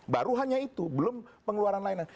baru hanya itu belum pengeluaran lainnya